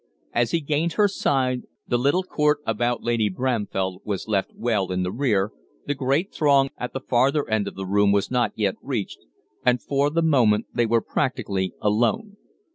As he gained her side, the little court about Lady Bramfell was left well in the rear, the great throng at the farther end of the room was not yet reached, and for the moment they were practically alone.